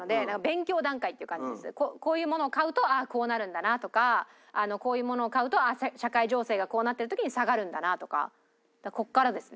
こういうものを買うとあっこうなるんだなとかこういうものを買うと社会情勢がこうなってる時に下がるんだなとかここからですね。